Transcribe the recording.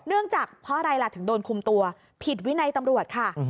เนื่องจากเพราะอะไรล่ะถึงโดนคุมตัวผิดวินัยตำรวจค่ะ